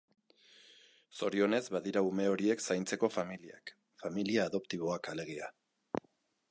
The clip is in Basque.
Zorionez badira ume horiek zaintzeko familiak, familia adoptiboak alegia.